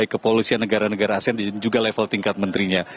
kepolisian negara negara asean dan juga level tingkat menterinya